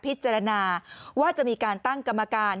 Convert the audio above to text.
พิจารณาว่าจะมีการตั้งกรรมการ